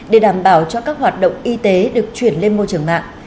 để đảm bảo cho các hoạt động y tế được chuyển lên môi trường mạng